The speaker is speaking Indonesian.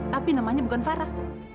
tapi namanya bukan farah